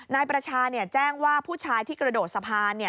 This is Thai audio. นายประชาแจ้งว่าผู้ชายที่กระโดดสะพาน